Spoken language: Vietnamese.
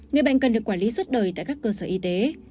người bệnh cần được quản lý suốt đời tại các cơ sở y tế